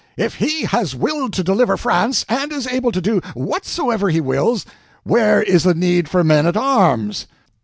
If He has willed to deliver France, and is able to do whatsoever He wills, where is the need for men at arms?"